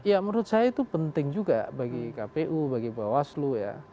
ya menurut saya itu penting juga bagi kpu bagi bawaslu ya